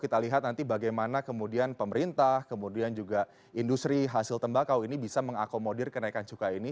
kita lihat nanti bagaimana kemudian pemerintah kemudian juga industri hasil tembakau ini bisa mengakomodir kenaikan cukai ini